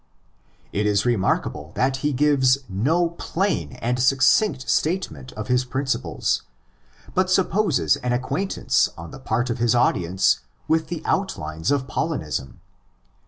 It is remarkable that he gives no plain and succinct statement of his principles, but supposes an acquaintance on the part of his audience with the outlines of Paulinism.